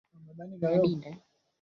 Gari liligonga nyumba yetu